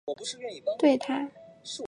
对她日后行医有深远的影响。